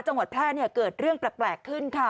จังหวัดแพร่เกิดเรื่องแปลกขึ้นค่ะ